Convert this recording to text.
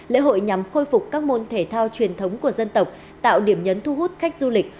lễ hội nhằm khôi phục các môn thể thao truyền thống của dân tộc tạo điểm nhấn thu hút khách du lịch